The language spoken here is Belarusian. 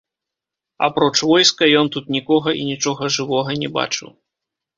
Апроч войска, ён тут нікога і нічога жывога не бачыў.